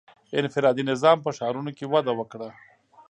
• انفرادي نظام په ښارونو کې وده وکړه.